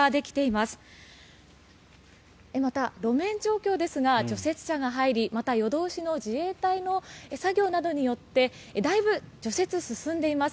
また路面状況ですが除雪車が入りまた夜通しの自衛隊の作業などによってだいぶ除雪は進んでいます。